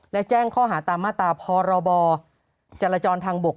และแจ้งข้อหาตามมาตราพรบจรจรทางบก